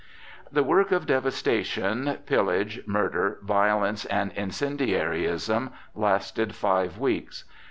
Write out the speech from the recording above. The work of devastation, pillage, murder, violence, and incendiarism lasted five weeks.